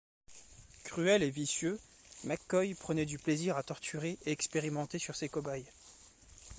Cruel et vicieux, McCoy prenait du plaisir à torturer et expérimenter sur ses cobayes.